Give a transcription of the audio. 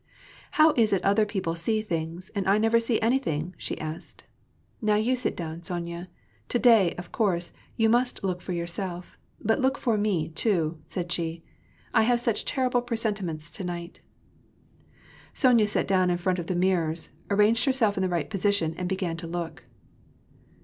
<< How is it other people see things, and I never see any thing?'' she asked. "Now you sit down, Sonya. To day, of course, you must look for yourself ; but look for me, too," said she. " I have such terrible presentiments to night !" Sonya sat down in front of the mirrors, arranged herself in the right position and began to look.